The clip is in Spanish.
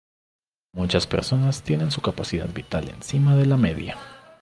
Muchas personas tienen su capacidad vital encima de la media.